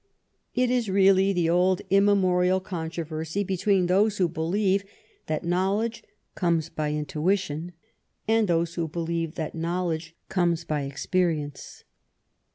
It is really the old immemorial controversy between those who believe that know ledge comes by intuition and those who believe that knowledge comes by experience.